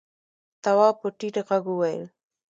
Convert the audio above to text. تواب په ټيټ غږ وويل: